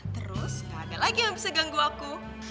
terus gak ada lagi yang bisa ganggu aku